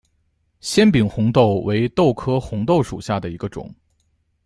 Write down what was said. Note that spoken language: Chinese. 纤柄红豆为豆科红豆属下的一个种。